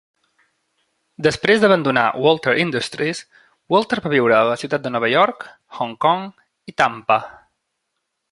Després d'abandonar Walter Industries, Walter va viure a la ciutat de Nova York, Hong Kong i Tampa.